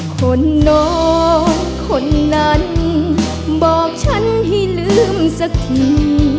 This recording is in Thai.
คนน้อยคนนั้นบอกฉันให้ลืมสักที